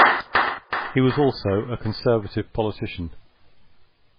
He was also a Conservative politician.